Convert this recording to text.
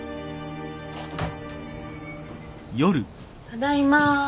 ただいま。